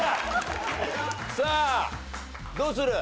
さあどうする？